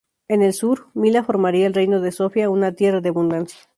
En el sur, Mila formaría el Reino de Zofia, una tierra de abundancia.